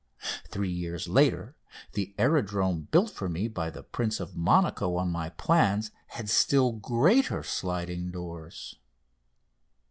Three years later the aerodrome built for me by the Prince of Monaco on my plans had still greater sliding doors.